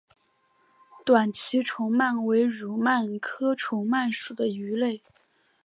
短鳍虫鳗为蠕鳗科虫鳗属的鱼类。